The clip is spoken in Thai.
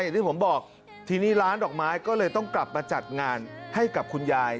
ที่ผมบอกทีนี้ร้านดอกไม้ก็เลยต้องกลับมาจัดงานให้กับคุณยาย